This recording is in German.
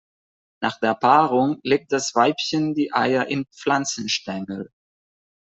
Nach der Paarung legt das Weibchen die Eier in Pflanzenstängel.